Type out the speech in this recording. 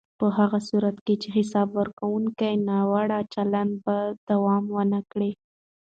په هغه صورت کې چې حساب ورکونه وي، ناوړه چلند به دوام ونه کړي.